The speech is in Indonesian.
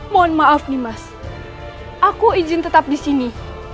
mohon maaf nih mas aku izin tetap di sini